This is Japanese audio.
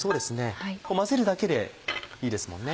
混ぜるだけでいいですもんね。